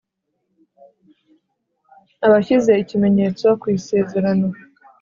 Abashyize ikimenyetso ku isezerano